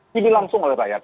dilihat langsung dari rakyat